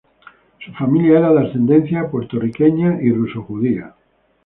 Su familia era de ascendencia puertorriqueña y ruso-judía.